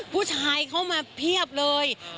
ผู้ชายเข้ามาเพียบเลย